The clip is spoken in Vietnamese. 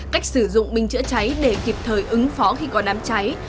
cách sử dụng bình chữa cháy để kịp thời ứng phó khi có đám cháy